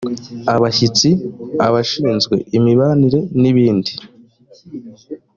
abashyitsi abashinzwe imibanire n ibindi